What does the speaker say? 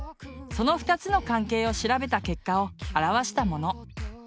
その２つの関係を調べた結果を表したもの。